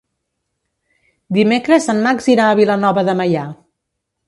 Dimecres en Max irà a Vilanova de Meià.